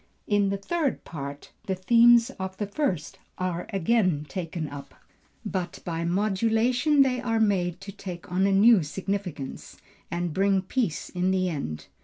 In the third part, the themes of the first are again taken up, but by modulation they are made to take on a new significance, and bring peace in the end.